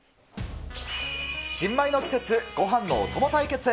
新米の季節、ごはんのお供対決。